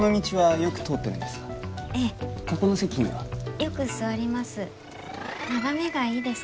よく座ります